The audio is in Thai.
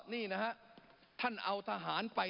นี่นะฮะท่านเอาทหารไป